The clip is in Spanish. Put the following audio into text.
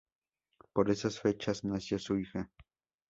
Por esas fechas nació su hija.